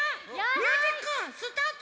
ミュージックスタート！